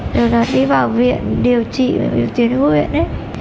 rồi là đi vào viện điều trị tiền huyện ấy